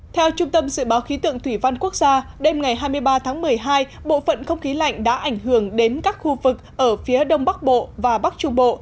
theo trung tâm dự báo khí tượng thủy văn quốc gia đêm ngày hai mươi ba tháng một mươi hai bộ phận không khí lạnh đã ảnh hưởng đến các khu vực ở phía đông bắc bộ và bắc trung bộ